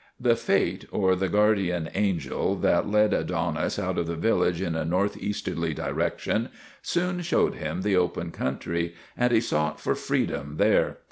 The fate, or the guardian angel, that led Adonis out of the village in a northeasterly direction soon showed him the open country and he sought for freedom there.